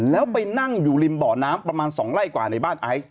แล้วไปนั่งอยู่ริมบ่อน้ำประมาณ๒ไร่กว่าในบ้านไอซ์